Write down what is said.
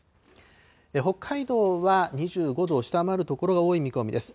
北海道は２５度を下回る所が多い見込みです。